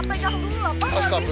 pak pegang dulu lah pak